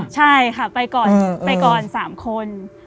ใช่ค่ะไปก่อน๓คน